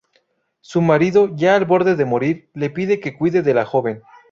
Su marido, ya al borde de morir, le pide que cuide de la joven.